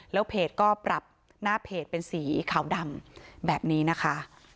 แล้วเพจก็ปรับหน้าเพจเป็นสีขาวดำแบบนี้นะคะ